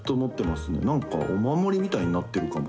なんかお守りみたいになっているかも。